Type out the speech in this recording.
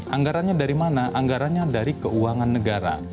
anggarannya dari mana anggarannya dari keuangan negara